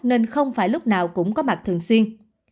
nên không phải lúc nào cũng có mặt thường xuyên